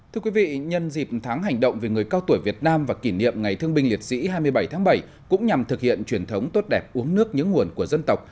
thưa quý vị nhân dịp tháng hành động về người cao tuổi việt nam và kỷ niệm ngày thương binh liệt sĩ hai mươi bảy tháng bảy cũng nhằm thực hiện truyền thống tốt đẹp uống nước những nguồn của dân tộc